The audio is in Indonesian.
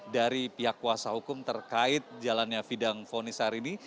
dari pihak kuasa hukum terkait jalannya sidang fonis hari ini